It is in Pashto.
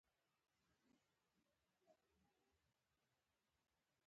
د غنمو په ګدام کې د موږکانو مخه څنګه ونیسم؟